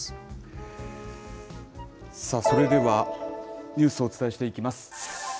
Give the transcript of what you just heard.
さあ、それでは、ニュースをお伝えしていきます。